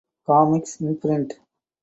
Comics imprint.